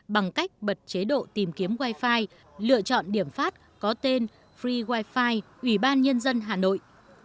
bằng cách bật chế độ tìm kiếm wi fi lựa chọn điểm phát có tên free wi fi ủy ban nhân dân hà nội